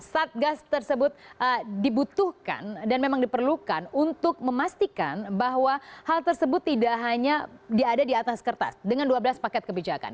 satgas tersebut dibutuhkan dan memang diperlukan untuk memastikan bahwa hal tersebut tidak hanya diada di atas kertas dengan dua belas paket kebijakan